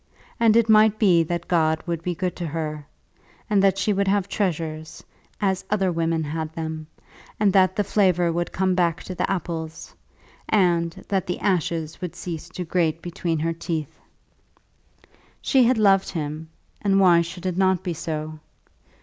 And it might be that God would be good to her, and that she would have treasures, as other women had them, and that the flavour would come back to the apples, and that the ashes would cease to grate between her teeth. She loved him, and why should it not be so?